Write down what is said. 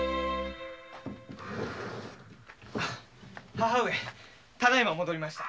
母上ただいま戻りました。